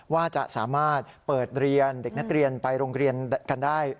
ว่าจะสามารถเปิดเรียนเด็กนักเรียนไปโรงเรียนกันได้